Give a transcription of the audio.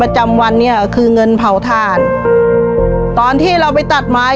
ชีวิตหนูเกิดมาเนี่ยอยู่กับดิน